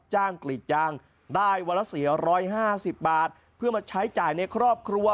จ้างกลีจจ้างได้วันละเสีย๑๕๐บาทเพื่อมาใช้จ่ายในครอบครัว